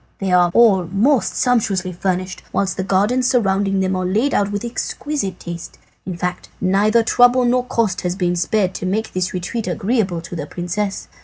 They are all most sumptuously furnished, whilst the gardens surrounding them are laid out with exquisite taste. In fact, neither trouble nor cost has been spared to make this retreat agreeable to the princess.